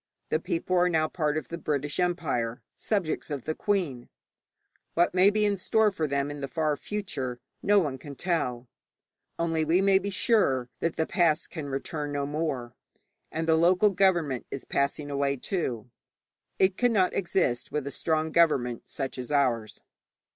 The people are now part of the British Empire, subjects of the Queen. What may be in store for them in the far future no one can tell, only we may be sure that the past can return no more. And the local government is passing away, too. It cannot exist with a strong government such as ours.